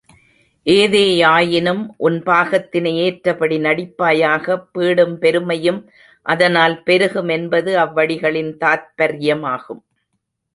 ஏதேயாயினும் உன் பாகத்தினை ஏற்றபடி நடிப்பாயாக பீடும் பெருமையும் அதனால் பெருகும் என்பது அவ்வடிகளின் தாத்பர்யமாகும்.